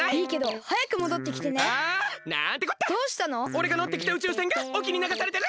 おれがのってきた宇宙船がおきにながされてる！